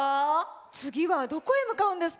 つぎはどこへむかうんですか？